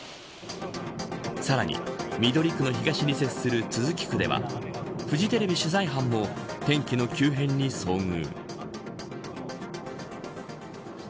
さらに、緑区の東に接する都筑区ではフジテレビ取材班も天気の急変に遭遇。